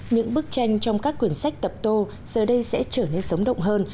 những bức tranh trong các quyển sách tập tô giờ đây sẽ trở nên sống động hơn